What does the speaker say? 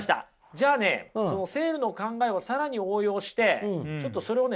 じゃあねセールの考えを更に応用してちょっとそれをね